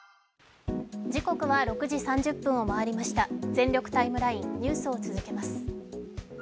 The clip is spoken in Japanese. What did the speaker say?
「全力ＴＩＭＥライン」、ニュースを続けます。